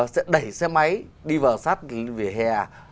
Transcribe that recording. sẽ đẩy xe máy đi vào sát về hè